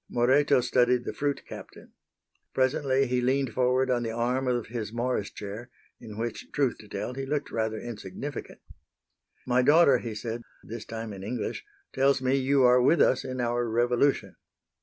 Moreto studied the fruit captain. Presently he leaned forward on the arm of his Morris chair, in which, truth to tell, he looked rather insignificant. "My daughter," he said, this time in English, "tells me you are with us in our revolution."